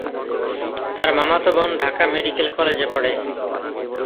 তার মামাতো বোন ঢাকা মেডিকেল কলেজে পড়ে।